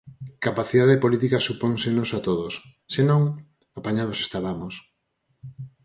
Capacidade política supónsenos a todos; se non, apañados estabamos.